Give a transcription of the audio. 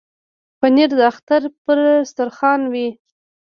پنېر د اختر پر دسترخوان وي.